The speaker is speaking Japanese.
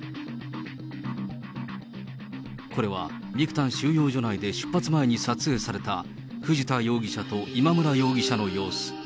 これはビクタン収容所内で出発前に撮影された、藤田容疑者と今村容疑者の様子。